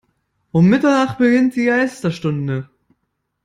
Um Mitternacht beginnt die Geisterstunde.